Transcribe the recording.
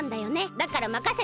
だからまかせて！